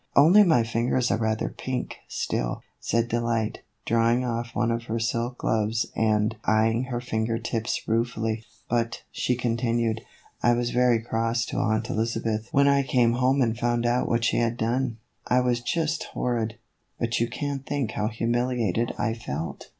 " Only my fingers are rather pink still," said De light, drawing off one of her silk gloves and eyeing her finger tips ruefully. " But," she continued,"! was very cross to Aunt Elizabeth when I came home and found out what she had done. I was just hor rid, but you can't think how humiliated I felt."